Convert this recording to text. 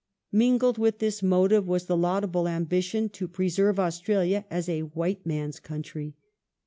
Mingled with this motive was the laudable ambition to preserve Australia as a white man's country.